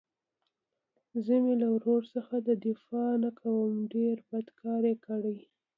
زه مې له ورور څخه دفاع نه کوم ډېر بد کار يې کړى.